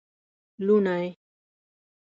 لوڼی